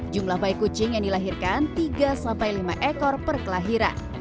jumlah bayi kucing yang dilahirkan tiga sampai lima ekor perkelahiran